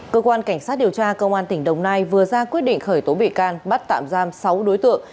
cơ quan cảnh sát điều tra công an tỉnh đồng nai vừa ra quyết định khởi tố bị can bắt tạm giam sáu đối tượng